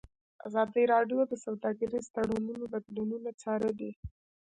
ازادي راډیو د سوداګریز تړونونه بدلونونه څارلي.